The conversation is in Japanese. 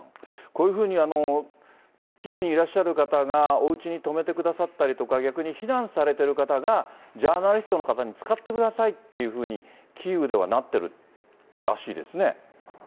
こういうふうにキーウにいらっしゃる方がおうちに泊めてくださったりとか、逆に非難されてる方が、ジャーナリストの方に使ってくださいっていうふうに、キーウではなってるらしいですね。